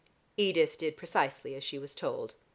Edith did precisely as she was told.